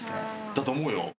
だと思うよ。